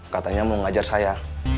katanya mau ngajar saya